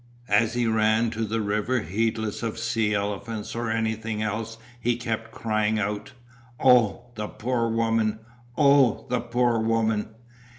As he ran to the river heedless of sea elephants or anything else he kept crying out: "Oh, the poor woman. Oh, the poor woman."